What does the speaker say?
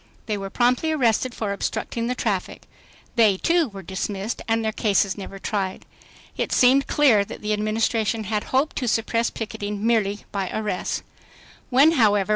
They were promptly arrested for "obstructing the traffic." They, too, were dismissed and their cases never tried. It seemed clear that the Administration hoped to suppress picketing merely by arrests. When. however.